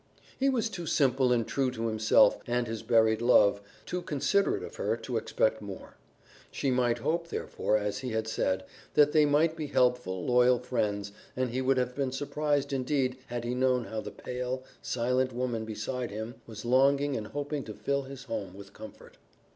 He was too simple and true to himself and his buried love, too considerate of her, to expect more. She might hope, therefore, as he had said, that they might be helpful, loyal friends and he would have been surprised indeed had he known how the pale, silent woman beside him was longing and hoping to fill his home with comfort.